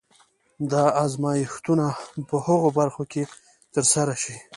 دا ازمایښتونه په هغو برخو کې ترسره شي.